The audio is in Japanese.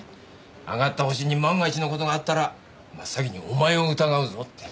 挙がったホシに万が一の事があったら真っ先にお前を疑うぞって。